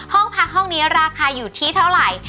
ห้องพักห้องนี้ราคาอยู่ที่เท่าไหร่